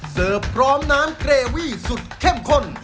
เสิร์ฟพร้อมน้ำเกรวี้สุดเข้มข้น